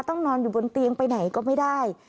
นอนอยู่บนเตียงไปไหนก็ไม่ได้